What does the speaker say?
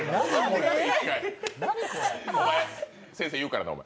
先生に言うからな、お前！